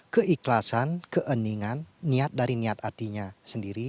keikhlasan keeningan niat dari niat hatinya sendiri